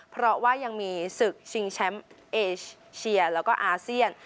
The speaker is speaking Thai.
เพราะว่ายังมีศึกชิงแชมป์เอเชียแล้วก็อาเซียน